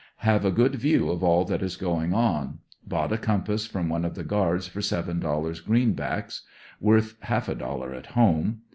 Have a good view of all that is going on. Bought a com pass from one of the guards for seven dollars, greenbacks; worth half a dollar at home.